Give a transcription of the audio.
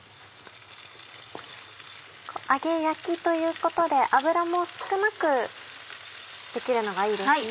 揚げ焼きということで油も少なくできるのがいいですね。